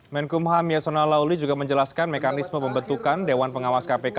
menkumham yasona lauli juga menjelaskan mekanisme pembentukan dewan pengawas kpk